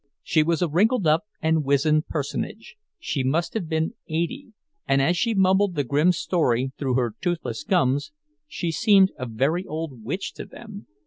She was a wrinkled up and wizened personage—she must have been eighty—and as she mumbled the grim story through her toothless gums, she seemed a very old witch to them.